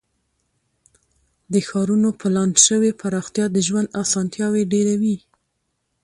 د ښارونو پلان شوې پراختیا د ژوند اسانتیاوې ډیروي.